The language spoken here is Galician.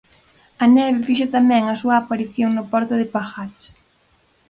A neve fixo tamén a súa aparición no porto de Pajares.